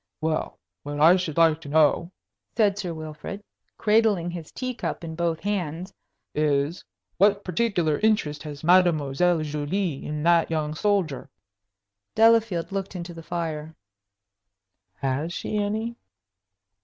"Well, what I should like to know," said Sir Wilfrid, cradling his teacup in both hands, "is, what particular interest has Mademoiselle Julie in that young soldier?" Delafield looked into the fire. "Has she any?"